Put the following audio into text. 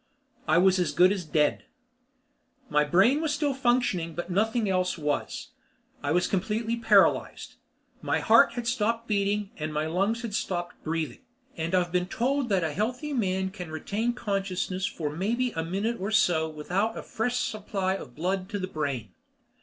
I was as good as dead. My brain was still functioning but nothing else was. I was completely paralyzed. My heart had stopped breathing and my lungs had stopped breathing, and I've been told that a healthy man can retain consciousness for maybe a minute or so without a fresh supply of blood to the brain.